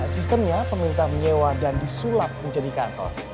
sistemnya pemerintah menyewa dan disulap menjadi kantor